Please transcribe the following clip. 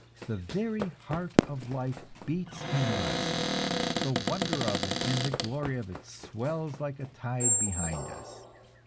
The very heart of life beats in us, the wonder of it and the glory of it swells like a tide behind us.